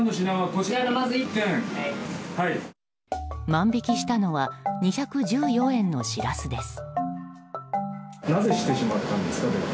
万引きしたのは２１４円のシラスです。